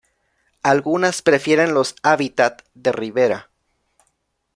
Algunas prefieren los hábitat de ribera.